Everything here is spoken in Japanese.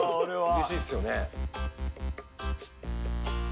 うれしいっすよね。